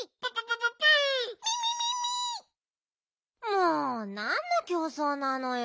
もうなんのきょうそうなのよ。